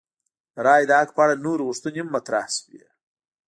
د رایې د حق په اړه نورې غوښتنې هم مطرح شوې.